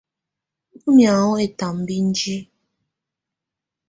Nɔ mɛ̀áŋɔ ɛtambá índiǝ́.